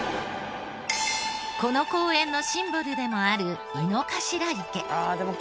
この公園のシンボルでもある井の頭池。